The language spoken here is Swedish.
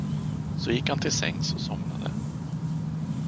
Så gick han till sängs och somnade.